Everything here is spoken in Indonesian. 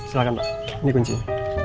silahkan pak ini kuncinya